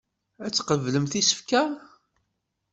Ad tqeblemt isefka.